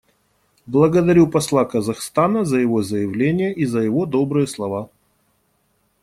Благодарю посла Казахстана за его заявление и за его добрые слова.